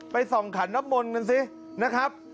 ส่องขันน้ำมนต์กันสินะครับ